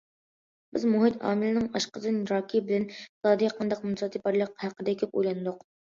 بىز، مۇھىت ئامىلىنىڭ ئاشقازان راكى بىلەن زادى قانداق مۇناسىۋىتى بارلىقى ھەققىدە كۆپ ئويلاندۇق.